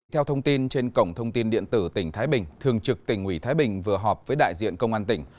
theo thông tin trên cổng thông tin điện tử tỉnh thái bình thường trực tỉnh ủy thái bình vừa họp với đại diện công an tỉnh